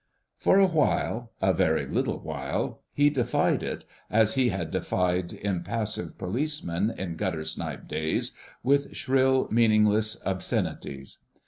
For a while—a very little while—he defied it, as he had defied impassive policemen in guttersnipe days, with shrill, meaningless obscenities.